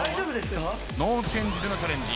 ノーチェンジでのチャレンジ。